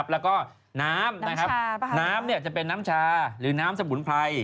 แล้วก็น้ำน้ำจะเป็นน้ำชาหรือน้ำสมุนไพร